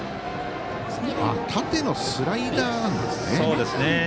縦のスライダーなんですね。